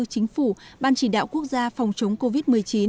chính phủ ban chỉ đạo quốc gia phòng chống covid một mươi chín